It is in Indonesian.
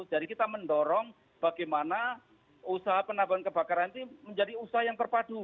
kita mendorong bagaimana usaha penambahan kebakaran ini menjadi usaha yang terpadu